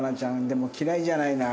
でも嫌いじゃないな